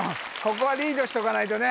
ここはリードしとかないとね